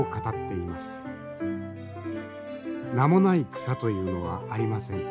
「名もない草というのはありません。